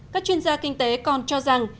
các chuyên gia kinh tế còn cho rằng